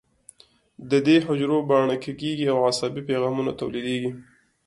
د دې حجرو باڼه کږېږي او عصبي پیغامونه تولیدېږي.